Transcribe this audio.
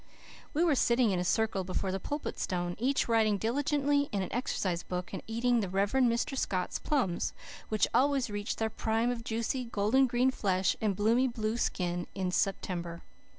We were sitting in a circle before the Pulpit Stone, each writing diligently in an exercise book, and eating the Rev. Mr. Scott's plums, which always reached their prime of juicy, golden green flesh and bloomy blue skin in September.